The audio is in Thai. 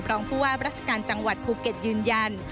รองผู้ว่าราชการจังหวัดภูเก็ตยืนยัน